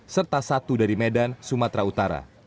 serta satu dari medan sumatera utara